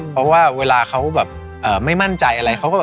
เพราะว่าเวลาเขาไม่มั่นใจอะไร